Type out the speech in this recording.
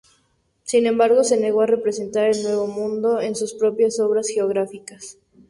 Sin embargo, se negó a representar el Nuevo Mundo en sus propias obras geográficas.